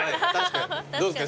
どうですか？